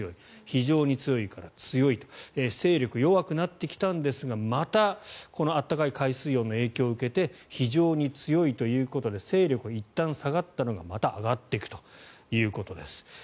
非常に強いから強いと勢力が弱くなってきたんですがまたこの暖かい海水温の影響を受けて非常に強いということで勢力がいったん下がったのがまた上がっていくということです。